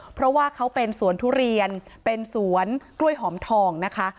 เพราะว่าเขาเป็นสวนทุเรียนเป็นสวนกล้วยหอมทองนะคะ